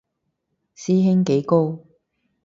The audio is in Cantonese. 師兄幾高